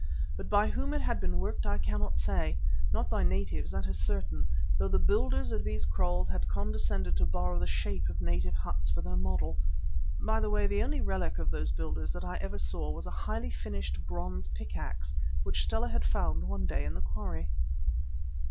But by whom it had been worked I cannot say; not by natives, that is certain, though the builders of these kraals had condescended to borrow the shape of native huts for their model. By the way, the only relic of those builders that I ever saw was a highly finished bronze pick axe which Stella had found one day in the quarry.